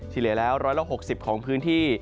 ที่เหลือแล้ว๑๖๐องศาเซียดของพื้นที่